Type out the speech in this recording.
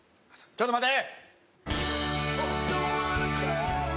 ちょっと待て！